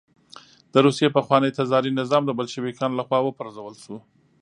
د روسیې پخوانی تزاري نظام د بلشویکانو له خوا وپرځول شو